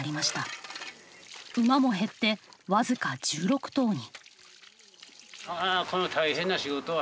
馬も減って僅か１６頭に。